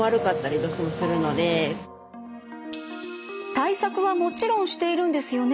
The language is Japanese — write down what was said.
対策はもちろんしているんですよね？